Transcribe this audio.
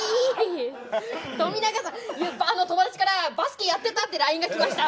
友達から「バスケやってた？」ってＬＩＮＥが来ました。